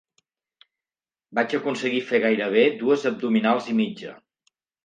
Vaig aconseguir fer gairebé dues abdominals i mitja.